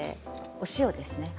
お塩ですね。